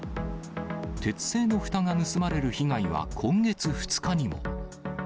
鉄製のふたが盗まれる被害は今月２日にも。